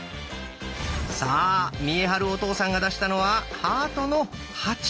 さあ見栄晴お父さんが出したのは「ハートの８」。